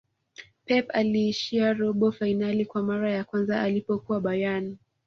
pep aliishia robo fainali kwa mara ya kwanza alipokuwa bayern